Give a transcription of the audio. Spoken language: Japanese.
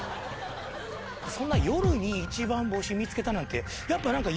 そんな夜に「一番星見つけた」なんて。